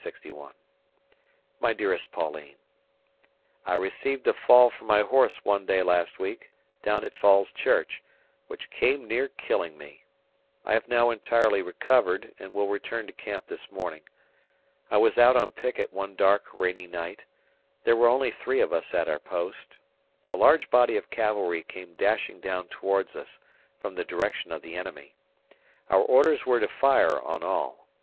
My dearest Pauline: ... I received a fall from my horse one day last week, down at Falls Church, which came near killing me. I have now entirely recovered and will return to camp this morning. I was out on picket one dark rainy night; there were only three of us at our post; a large body of cavalry came dashing down towards us from the direction of the enemy. Our orders were to fire on all.